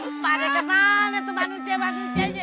mari kemana tuh manusia manusianya